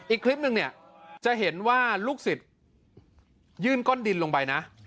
อีกคลิปนึงเนี่ยจะเห็นว่าลูกศิษย์ยื่นก้อนดินลงไปนะ